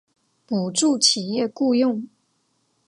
补助企业雇用